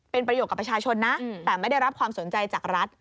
เป็นประโยชน์กับประชาชนนะแต่ไม่ได้รับความสนใจจากรัฐ